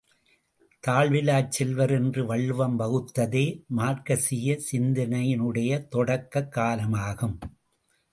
தாழ்விலாச் செல்வர் என்று வள்ளுவம் வகுத்ததே, மார்க்சீய சிந்தனையினுடைய தொடக்க காலமாகும்.